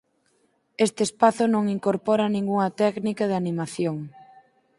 Este espazo non incorpora ningunha técnica de animación.